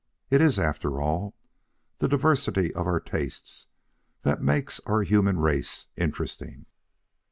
It is, after all, the diversity of our tastes that makes our human race interesting."